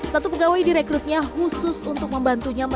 satu pegawai direkrutnya khusus untuk membantunya